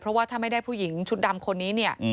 เพราะว่าถ้าไม่ได้ผู้หญิงชุดดำคนนี้เนี่ย